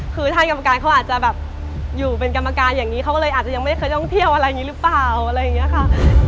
คือท่านกรรมการเขาอาจจะแบบอยู่เป็นกรรมการอย่างนี้เขาก็เลยอาจจะยังไม่เคยท่องเที่ยวอะไรอย่างนี้หรือเปล่าอะไรอย่างนี้ค่ะ